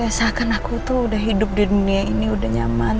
ya seakan aku tuh udah hidup di dunia ini udah nyaman